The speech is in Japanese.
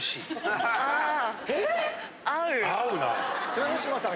豊ノ島さん